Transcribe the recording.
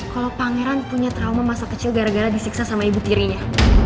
kalau pangeran punya trauma masa kecil gara gara disiksa sama ibu tirinya